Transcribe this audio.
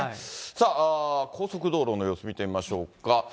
さあ、高速道路の様子、見てみましょうか。